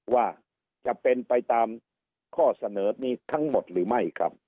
ว่าจะเป็นไปตามข้อเสนอนี้ทั้งหมดหรือไม่ครับ